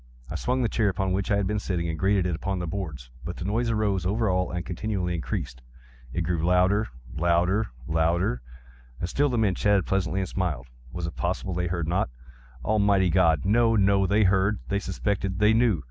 I swung the chair upon which I had been sitting, and grated it upon the boards, but the noise arose over all and continually increased. It grew louder—louder—louder! And still the men chatted pleasantly, and smiled. Was it possible they heard not? Almighty God!—no, no! They heard!—they suspected!—they knew!